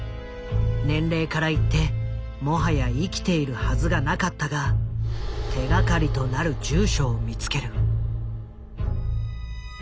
年齢からいってもはや生きているはずがなかったが手がかりとなる住所を見つける。